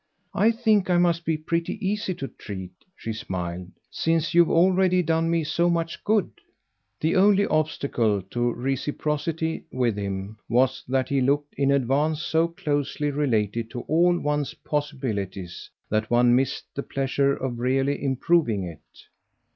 I think I must be pretty easy to treat," she smiled, "since you've already done me so much good." The only obstacle to reciprocity with him was that he looked in advance so closely related to all one's possibilities that one missed the pleasure of really improving it.